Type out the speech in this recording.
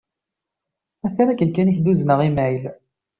Atan akken kan i k-d-uzneɣ imayl.